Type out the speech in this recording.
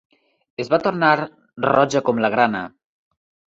Es va tornar roja com la grana